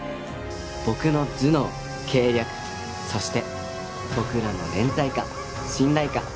僕の頭脳計略そして僕らの連帯感信頼感